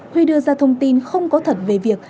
huy đưa ra thông tin không có thật về việc